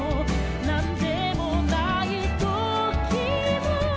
「なんでもないときも」